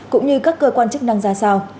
cũng như các cơ quan chức năng ra sao